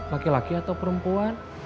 laki laki atau perempuan